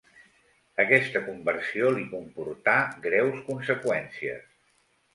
Aquesta conversió li comportà greus conseqüències.